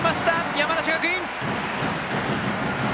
山梨学院！